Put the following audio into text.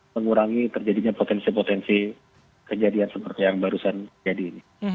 mengurangi terjadinya potensi potensi kejadian seperti yang barusan jadi ini